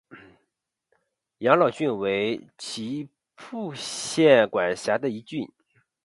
养老郡为岐阜县管辖的一郡。